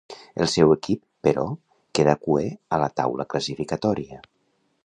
El seu equip, però, queda cuer a la taula classificatòria.